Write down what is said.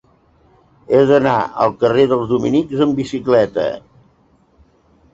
He d'anar al carrer dels Dominics amb bicicleta.